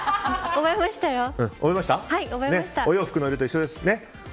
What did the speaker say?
お洋服の色と一緒です。